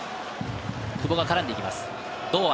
久保が絡んでいきます、堂安。